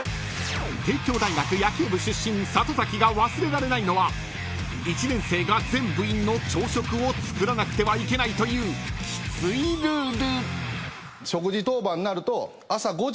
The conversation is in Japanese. ［帝京大学野球部出身里崎が忘れられないのは１年生が全部員の朝食を作らなくてはいけないというきついルール］